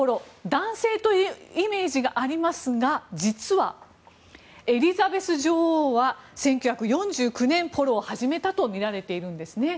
男性というイメージがありますが実は、エリザベス女王は１９４９年、ポロを始めたとみられているんです。